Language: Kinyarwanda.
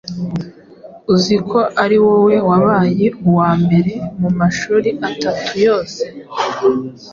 Uzi ko ari wowe wabaye uwa mbere mu mashuri atatu yose!